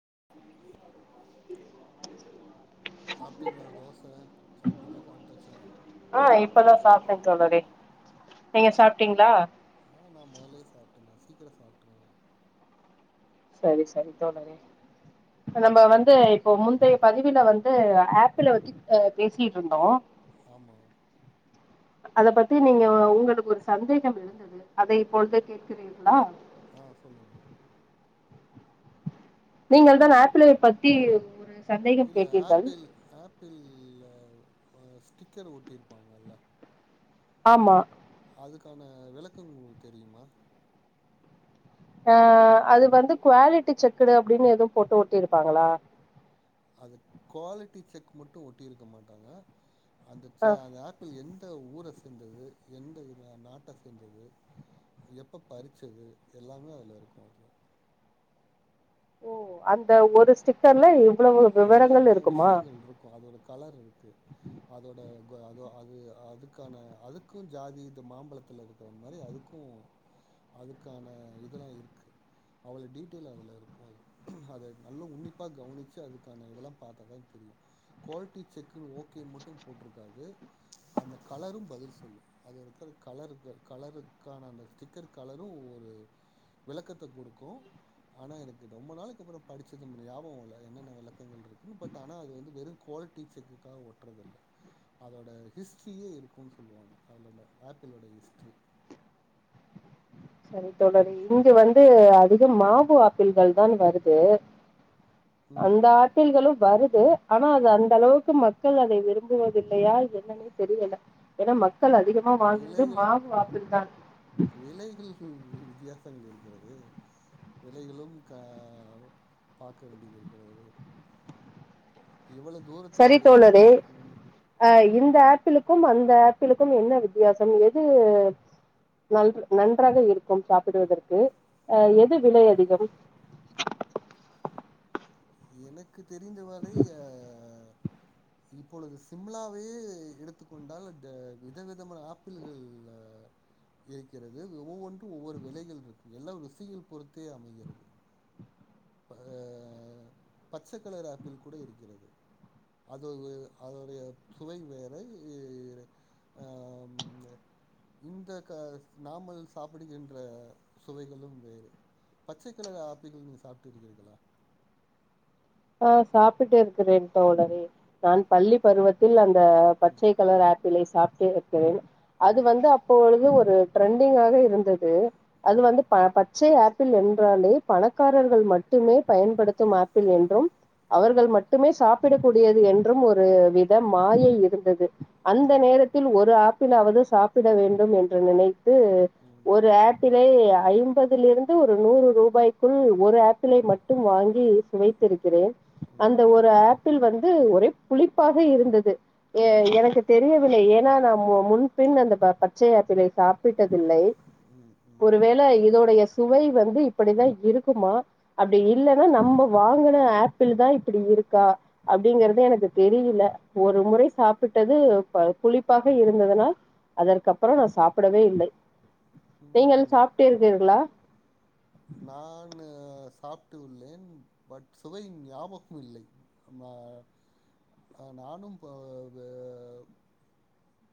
[inaudible] சாப்பிட்டீங்களா தோச சட்னி எல்லாம் சாப்பிட்டாச்சா ஆ இப்பதா சாப்ட்டே தோழரே நீங்க சாப்ட்டீங்களா ஆ நான் முதலையே சாப்பிட்டனே சீக்கிரம் சாப்பட்டுருவேன் சரி சரி தோற நம்ம வந்து இப்போ முந்தைய பதிவுில வந்து ஆப்பில ம் வச்சு பேசிட்டு இருந்தோம் ஆமா அத பத்தி நீங்க உங்களுக்கு ஒரு சந்தேகம் எழுந்தது அத இப்பொழுது கேகிறீர்களா ஆஹ் சொல்லுங்க நீங்கள் தான் ஆப்பிளை பத்தி ஒரு சந்தேகம் இல்ல கேட்டீர்கள் ஆப்பிள் ஆப்பிள்ல ஆ ஸ்டிக்கர் ஒட்டிருப்பாங்கல்ல ஆமா அதுக்கான விளக்கம் உங்களுக்கு தெரியுமா ஆஹ் அது வந்து குவாலி நாட்டுச் சக்கர அப்டின்னு எதும் போட்டு ஒட்டிருப்பாங்களா அது குவாலிட்டி செக் மட்டும் ஒட்டி இருக்க மாட்டாங்க அந்த ச ஆ அந்த ஆப்பிள் எந் த ஊர சேந்தது எந்த ஒரு நாட்ட சேந்தது எப்ப பறிச்சது எல்லாமே அதுல இருக்கும் அது ஓ அந்த ஒரு ஸ்டிக்கர்ல இவ்வளவு விவரங்கள் எல்லாமே இருக்குமா விஷயங்கள் இருக்கும் அதோட கலரு இருக்கு அதோட அதோ அது அதுக்கான அதுக்கும் ஜாதி இந்த மாம்பழத்துல இருக்கிற மாதிரி அதுக்கும் அதுக்கான இதெல்லாம் இருக்கு அவ்ளோ டீட்டெயில் அதுல இருக்கும் அது அத நல்ல உன்னிப்பா கவனிச்சு அதுக் கான இதெல்லாம் பாத்தாதா தெரியும் குவாலிட்டி செக்கு ஓகேனு மட்டும் போட்ருக்காது அந்தக் கலரும் பதில் சொல்லும் அதுல இருக்கிற கலருக் கலருக்கான அந்த ஸ்டிக்கர் கலரும் ஒவ்வோரு விளக்கத்த குடுக்கும் ஆன எனக்கு ரொம்ப நாளைக்கப்பறோ படுச்சது எனக்கு ஞாபகம் இல்ல என்னென்ன கலர் [unintelligible] இருக்குமா பட் ஆனா அது வந்து வெறும் குவாலிட்டி செக்குக்காக ஒட்றதில்ல அதோட ஹிஸ்ட்ரியே இருக்குனு சொல்லுவாங்க அதோட ஆப்பிளோட ஹிஸ்ட்ரி சரி தொடர் இங்க வந்து அதிகம் மாவு ஆப்பிள்கள் தான் வருது ம் அந்த ஆப்பிள்களும் வருது ஆனா அது அந்த அளவுக்கு மக்கள் அதை விரும்புவதில்லையா என்னன்னே தெரியல ஏன்னா மக் கள் அதிகமா வாங்குறது விலைகளு மாவு ஆப்பிள்தான் விலைகள் வித்தியாசங்கள் இருக்கிறது விலைகளும் க பாக்க வேண்டியதிருக்கிறது இவ்ளோ தூரத்தில் சரி வருகிரதோ தோழரே அ இந்த ஆப்பிளுக்கும் அந்த ஆப்பிளுக்கும் என்ன வித்தியாசம் எது நன்றாக இருக்கும் சாப்பிடுவதற்கு எது விலை அதிகம் எனக்கு தெரிந்த வரை அ இப்பொழுது சிம்லாவையே எடுத்துக்கொண்டால் அங்கு விதவிதமான ஆப்பிள்கள் இருக்கிறது ஒவ்வொன்றும் ஒவ்வொரு விலைகள் இருக்கு எல்லா ருசிகள் பொறுத்தே அமைகிறது அ பச்ச கலர் ஆப்பிள் கூட இருக்கிறது அது அதோடைய சுவை வேற இ அ இந்த க நாமல் சாப்பிடுகின்ற சுவைகளும் வேறு பச்சை கலர் ஆப்பிள் நீங்கள் சாப்பிட்ருக்கிறிர்களா ஆ சாப்பிட்டிருக்கிறேன் தோழரே நான் பள்ளி பருவத்தில் அந் அ ம் பச்சை கலர் [inaudible] லை சாப்ட்டு அது ம் வந்து அப்பொழுது ஒரு து ட்ரெண்டிங் ஆக இருந்தது அது ம் வந்து ப பச்சை ஆ டில் என்றாலே பணக்காரர்கள் மட்டுமே பயன்படுத்தும் ம். ஆப்பிள் என்றும் ம் அவர்கள் மட்டுமே சாப்பிடக்க கூடியது என்றும் ஒரு வித ம் மாயை இருந்தது ம் அந்த ம் நேரத்தில் ஒரு ஆப் பிலாவது சாப்பிட வேண்டும் என்று நினை து ம் ஒரு ஆப் ரே ஐம்பதிலிருந்து ஒரு நூறு ரூபாய்க்குள் ஒரு ஆப்பிளை மட்டும் வாங்கி சுவைத்திருக்கி கிறே அந்த ஒரு ஆப்பிள் வந் ஒரே புளிப்பாக இருந்தது ஏ ம் எனக்கு தெரியவில்லை ஏனா முன்பின் அந்த ப பச்சை ஆப்பிளை சாப்பிட்டதில்லை ம் ம் ம் ஒருவேளை இதோடைய சுவை வந்து இப்படித்தா இருக்குமா அப்படி இல்லன்னா நம்ப வாங்க ஆப்பிள் தா இப்படி இருக்கா அப்படிங்கறத எனக்கு தெரியல ஒரு முறை சாப்பிட்டது புளிப்பாக இருந்ததுனால் அதற்கப்புற நா சாப்புடவே இல்ல நீங்கள் சாப்பிட்டு இருக்கீர்களா நானு சாப்ட்டு உள்ளேன் பட் சுவை ஞாபகோ இல்லை நானு போ ப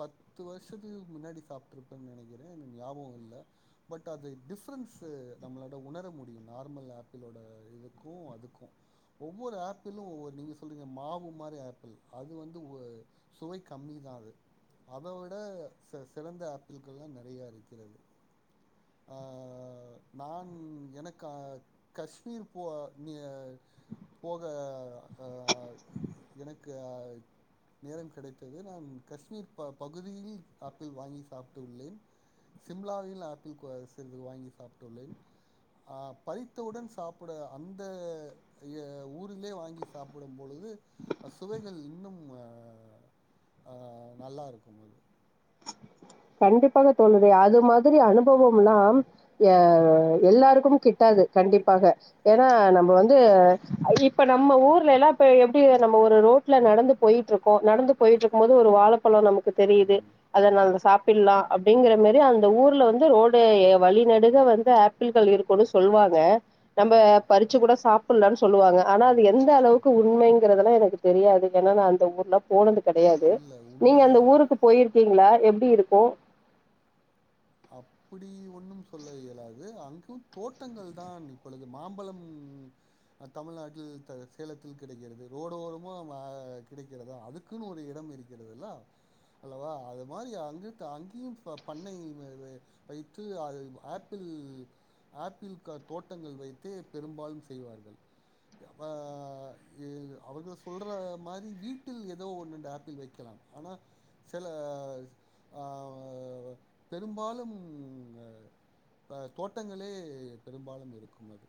பத்து வர்ஷத்துக்கு முன்னாடி சாப்பிட்டு இருப்பேன்னு நெனக்கிறே என ஞாபகம் இல்ல பட் அது டிஃப்ரன்ஸு நம்மளோட உணர முடியும் நார்மல் ஆப்பிளோட இதுக்கு அதுக்கு ஒவ்வொரு ஆப்பிளும் ஒவ்வொரு நீங்க சொல்றீங்க மாவு மாதிரி ஆப்பிள் அது வந்து ஒ சுவை கம்மி தான் அது அதை விட சிறந்த ஆப்பிள்கள்லா நெறைய இருக்கிறது அஹ் நான் எனக்கு அ காஷ்மீர் போ போக அஹ் எனக்கு அஹ் நேரம் கிடைத்தது நான் காஷ்மீர் ப பகுதியில் ஆப்பிள் வாங்கி சாப்ட்டுள்ளேன் சிம்லாவில் சிறிது வாங்கி சாப்பிட்டுள்ளே அ பறித்தவுட சாப்பிட அந்த ஊரிலே வாங்கி சாப்பிடும் பொழுது அ சுவைகள் இன்னும் அ அ நல்லா இருக்கும் அது கண்டிப்பாக தோழரே அது மாதிரி அனுபவம்னா எ எல்லாருக்கும் கிட்டாது கண்டிப்பாக ஏனா நம்ப வந்து இப்ப நம்ம ஊர்லல்லா இப்ப எப்டி நம்ம ஒரு ரோட்ல நடந்து போயிட்ருக்கோ நடந்து போயிட்ருக்கும் போது ஒரு வாழப்பழ நமக் கு தெரியுது ம் அத ம் நாங்க சாப் ல்லா ம் அப்படிங்கிற மாரி அந்த ஊர் ல வந்து ரோடு ம் வழிநெடுக வந்து ஆப்பிள்கள் இருக்குனு சொல்வாங்க நம்ப ம் பறிச்சு கூட சாப்பட்லான் சொல்வாங்க ஆனா அது ம் எந்த அளவுக்கு உண்மைங்கிறதுல்லா எனக்கு தெரியாது ஏனா நான் அந்த ஊர்ல போனதுக்கு கெடையாது இல்ல நீங்க உண்மைய அந்த ஊருக்கு போயிருக்கிங்ளா எப்படி இருக் கு அப்படி ஒண்ணும் சொல்ல இயலாது அங்கும் தோட்டங்கள் தான் இப்பொழுது மாம்பழம் தமிழ்நாட்டில் சேலத்தில் கிடைக்கிறது ரோடோரமா ஆஹ் கிடைக்கிறதா அதுக்குன்னு ஒரு இடம் இருக்கிறதுல்ல அல்லவா அது மாரி அங்க அங்கேயும் பண்ணை வைத்து அது ஆப்பிள் ஆப்பிள் தோட்டங்கள் வைத்தே பெரும்பாலும் செய்வார்கள் அஹ் அவர்கள சொல்ற மாரி வீட்டில் ஏதோ ஒன்ரெண்டு ஆப்பிள் வைக்கலாம் ஆனா செல அஹ் பெரும்பாலும் தோட்டங்களே பெரும்பாலும் இருக்கும் அது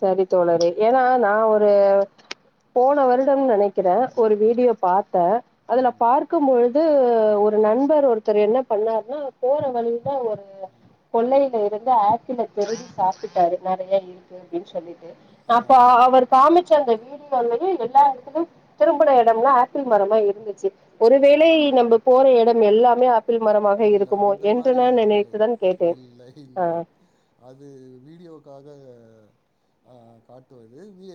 சரி தோழரே ஏன்னா நா ஒரு போன வருஸ் சம்னு நெனக்கிறேன் ம், ஒரு ம், வீடியோ பார்த்தே அதுல ம், பார்க்கும்பொழுது ம், ஒரு நண்பர் ஒரு த்தர் என்ன பண்ணாருன்னு போற ம். வழில ஒரு கொல்லைல இரு வந்து ஆப்பிளை திருடி சாப்பிட்டாரு நெறய க்கு அப்டினு சொல்லி ஆ. அப்ப அவர் காமிச்ச அந்த வீடி சுத்தி வந்துட்டு எல்லா எடத்துலயு திரும்புன எடம்லா ஆப்பிள் மரமா இருந்துச்சி ம். ஒருவேளை நம்ப போற எடத் எல்லாமே ஆப் இல்ல அந்த மாரி இல்லை நினைத்துதான் கேட்டேன் இல்லை ஆ இல்லை அது வீடியோக்காக அ காட்டுவது வீ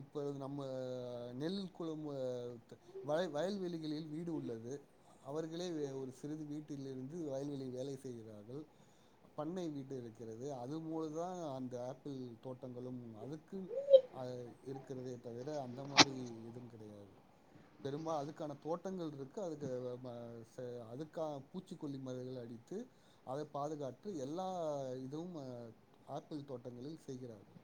இப்ப அது நம்ம நெல் குளம் த் வய வயல்வெளிகளில் வீடு உள்ளது அவர்களே ஒரு சிறிது வீடு வீட்டில் இருந்து வயல்வெளியில் வேலை செய்கிறார்கள் பண்ணை வீட்டு இருக்கிறது அது போலதா அந்த ஆப்பிள் தோட்டங்களும் அதுக்கு இருக்கிறதே தவிர அந்த மாதிரி எதுவும் கிடையாது பெரும்பால் அதுக்கான தோட்டங்கள் இருக்கு அதுக்கு ச அதுக்கான பூச்சிக்கொல்லி மருந்துகள் அடித்து அத பாதுகாற்று எல்லா இதுவும் அஹ் ஆப்பிள் தோட்டங்களில் செய்கிறார்கள்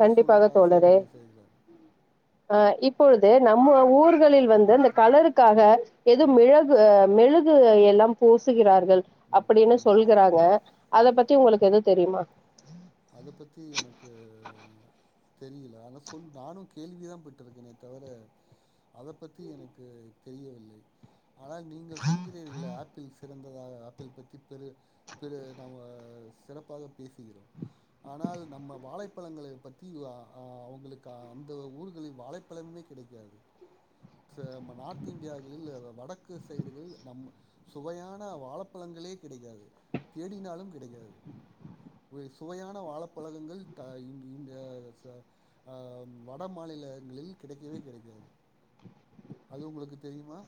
கண்டிப்பாக செய்ய தோழரே வேண்டிய செய்கிறார்கள் ஆ இப் இப்பொழுது நம்ம ஊர் ங்களில் வந்து அந்த கலருக்காக எதோ ம் மிழகு அ மெழுகு க்கு எல்லாம் பூசுகிறார் கள் ம் அப்டின்னு ம் சொல்கிறாங்க ம் அத பத்தி உங்களுக்கு எது தெரிமா அத பத்தி எனக்கு தெரியல ஆன சொல் நானு கேள்விதா பட்ருக்கேன தவிர அத பத்தி எனக்கு தெரியவில்லை ஆனா நீங்கள் சொல்கிறீர்களே ஆப்பிள் செத் இருந்ததாக ஆப்பிள் பத்தி பெரு பெரு நாம செறப்பாக பேசிகிறோம் ஆனால் நம்ம வாழைப்பழங்களை பத்தி அ அ அவங்களுக்கு அந்த ஊர்களில் வாழைப்பழமுமே கிடைக்காது ச நம்ம நார்த் இந்தியாகளில் வடக்கு சைடுகள் நம் சுவையான வாழப்பழங்களே கிடைக்காது தேடினாலு கிடைக்காது போயிருச் சுவையான வாழப்பழங்கள் த இங்க ச அ வட மாநிலங்களில் கிடைக்கவே கிடைக்காது, அது உங்களுக்கு தெரியுமா?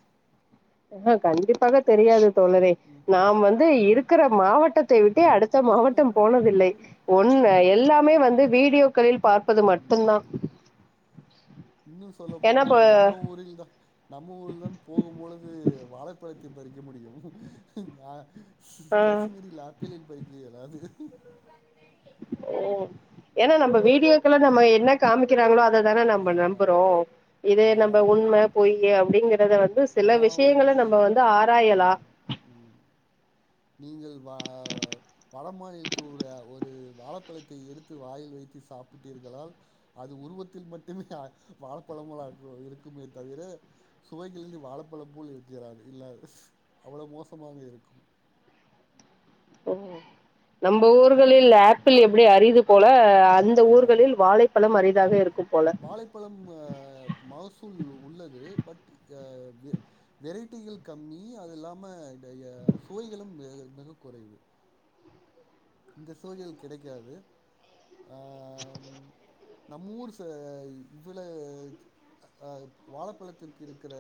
ம் கண்டிப்பாக தெரியாது தோழரே ம் நாம் வந்து இரு க்கிற மாவட்டத்தை விட் ட்டே அடுத்த மாவட்டம் போனதில்லை ஒன்னு எல்லாமே வந்து வீடியோ களில் இன்னும் சொல்ல ஏன்னா இப்ப போனால் நம்ம ஊரில் தான் நம்ம ஊரில் தான் போகும்பொழுது வாழைப்பழத்தை பறிக்க முடியும் அஹ் ஆ கேஷ்மீரில் ஆப்பிலில் பறிக்க இயலாது ஓ ஏன்னா நம்ம வீடியோக்கெல்லாம் நம்ம என்ன காமிக்கிறாங்களோ அத தானே நாம அதுதான் நம்புறோ இத நம்ப நான் உண்ம பொய் நீங்க அது வந்து சில விஷயங்கள நம்ம வந்து ஆராயலா ம் ம் நீங்கள் வ வட மாநிலத்தில் ஒர ஒரு வாழப்பழத்தை எடுத்து வாயில் வைத்து சாப்பிட்டீர்களால் அது உருவத்தில் மட்டுமே வாழப்பழங்களா இருக்குமே தவிர சுவை ந்து வாழப்பழ போல் இருக்கிறார்கள் இல்ல அவ்வளவு மோசமாக இருக்கு ம் நம்ம ஊர்களில் ஆப்பிள் எப்படி அரிது போல அந்த ஆ ஊர்களில் வாழைப்பழம் அரிதாக ஆமா இருக்கும் போல வாழைப்பழம் மகசூல் உள்ளது பட் [unintelligible] அ வெரைட்டிகள் கம்மி அது இல்லாம ட ய சுவைகளும் மிக மிக குறைவு இந்த [unintelligible] கிடைக்காது அ நம் ஊர் சே இவ்ள அ வாழப்பழத்திற்கு இருக்கிற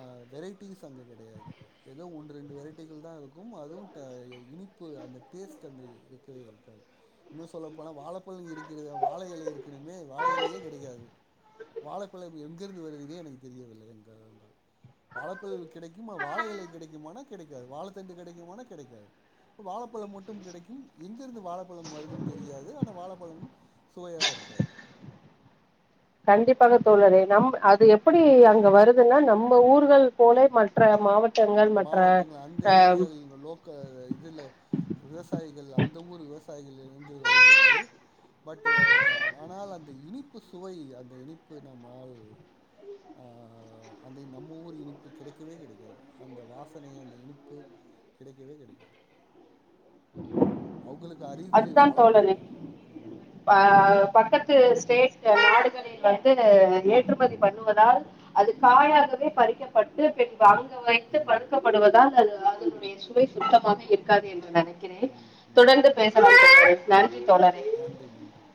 அ வெரைட்டிஸ் அங்க கிடையாது ஏதோ ஒன்று ரெண்டு வெரைட்டிகள் தா இருக்கு அதும் ட அ இனிப்பு அந்த டேஸ்ட் அந்த மாரி இருக்கவே இருக்காது இன்னு சொல்லப் போனா வாழப்பழ இருக்கிறதுக்கு வாழையிலை இருக்குன்னுமே வாழையிலையே கிடைக்காது வாழப்பழம் எங்கிருந்து வருதுன்னே எனக்கு தெரியவில்லை என்றுதா வாழப்பழம் கிடைக்குமா வாழையிலை கிடைக்குமான்னா கிடைக்காது வாழத்தண்டு கிடைக்குமான்னா கிடைக்காது வாழப்பழம் மட்டு டும் கிடைக்கும் எங்கருந்து வாழைப்பழம் வருதுன் தெரியாது ஆனா வாழைப்பழமும் சுவையாக இருக்காது கண்டிப்பாக தோழரே நம் அது எப்டி அங்க வருதுன்னா நம்ம ஊர்கள் போல மற்ற மாவட் மாவட்டங்கள் அந்த ஏரியால இல் லோக்க இதுல விவசாயிகள் அந் அந்த ஊர் விவசாயிகளிருந்து வருகிறது பட் ஆனால் அந்த இனிப்பு சுவை அந்த இனிப்பு நம்மால் அ அந்த நம்ம ஊர் இனிப்பு கிடைக்கவே கிடைக்காது அந்த வாசனை அந்த இனிப்பு கிடைக்கவே கிடைக்காது அவங்களுக்கு அரிது அதுதான் தோழரே வாழப்பழங்கள் ம் து ஸ்டேட்ல நாடுகளில தில் ஏற்றுமதி பண்ணுவதால் அது ம் ம் காயாகவே பறிக்க பட்டு பின் வாங்க வைத்து ம் பழுக்கப்படுவதால் அது அதனுடைய சுவை சுத்தமாக இருக்காது என்று நெனக் ருக்கிறேன் ம் ம் தொடர்ந்துப் பேசலாம் தோழரே ம் நன்றி தோழரே நன்றி நன்றி